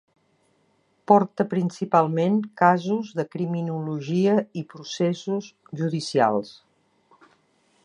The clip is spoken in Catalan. Porta principalment casos de criminologia i processos judicials.